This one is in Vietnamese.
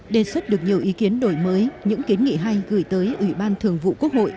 đề xuất được nhiều ý kiến đổi mới những kiến nghị hay gửi tới ủy ban thường vụ quốc hội